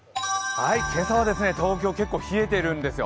今朝は東京、結構冷えているんですよ。